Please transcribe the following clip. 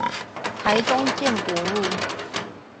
台中建國路